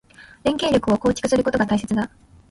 連携力を構築することが大切だ。